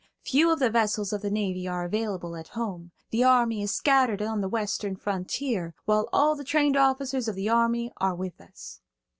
Few of the vessels of the navy are available at home; the army is scattered on the Western frontier, while all the trained officers of the army are with us.